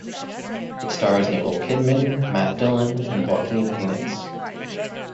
It stars Nicole Kidman, Matt Dillon, and Joaquin Phoenix.